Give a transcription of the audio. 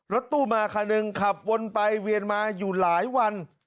รถตู้มาคันหนึ่งขับวนไปเวียนมาอยู่หลายวัน